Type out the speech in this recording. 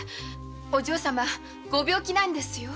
お嬢さまはご病気なんですよ。